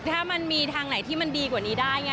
ถ้ามันมีทางไหนที่มันดีกว่านี้ได้ไง